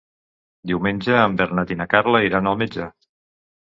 Diumenge en Bernat i na Carla iran al metge.